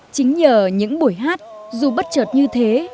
chính nhờ những buổi hát dù bất chợt như thế